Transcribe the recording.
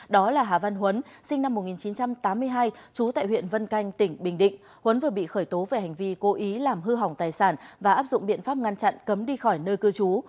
đó là hà văn huấn sinh năm một nghìn chín trăm tám mươi hai trú tại huyện vân canh tỉnh bình định huấn vừa bị khởi tố về hành vi cố ý làm hư hỏng tài sản và áp dụng biện pháp ngăn chặn cấm đi khỏi nơi cư trú